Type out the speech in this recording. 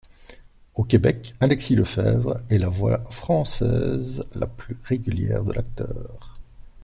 Au Québec, Alexis Lefebvre est la voix française la plus régulière de l'acteur.